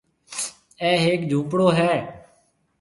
اَي هيََڪ جھونپڙو هيَ۔